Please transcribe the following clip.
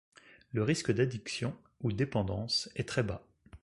Le risque d'addiction ou dépendance est très bas.